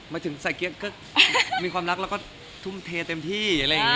มันถึงใส่เกียร์มีความรักแล้วก็ทุ่มเทเต็มที่